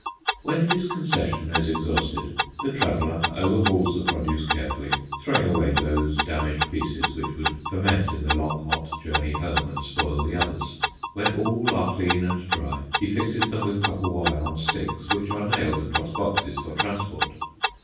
When his concession is exhausted, the traveller overhauls the produce carefully, throwing away those damaged pieces which would ferment in the long, hot journey home, and spoil the others. When all are clean and dry, he fixes them with copper wire on sticks, which are nailed across boxes for transport.